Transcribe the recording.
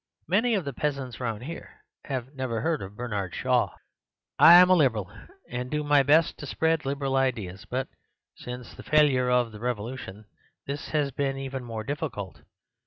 Many of the peasants round here have never heard of Bernard Shaw. "I am a Liberal, and do my best to spread Liberal ideas; but since the failure of the revolution this has been even more difficult.